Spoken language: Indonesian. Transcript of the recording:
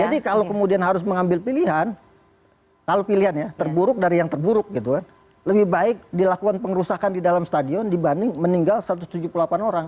jadi kalau kemudian harus mengambil pilihan kalau pilihan ya terburuk dari yang terburuk gitu kan lebih baik dilakukan pengerusakan di dalam stadion dibanding meninggal satu ratus tujuh puluh delapan orang